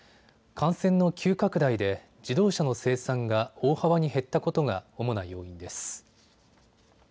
感染の急拡大で自動車の生産が大幅に減ったことが主な要因です。